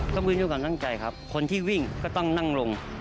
ต้องวิ่งด้วยการตั้งใจครับคนที่วิ่งก็ต้องนั่งลง